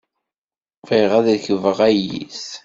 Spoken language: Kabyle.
Bɣiɣ ad rekbeɣ ayis.